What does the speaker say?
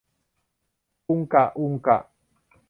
อุงกะ อุงกะ